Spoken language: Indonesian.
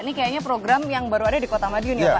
ini kayaknya program yang baru ada di kota madiun ya pak